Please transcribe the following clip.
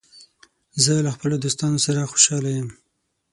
زه له خپلو دوستانو سره خوشاله یم.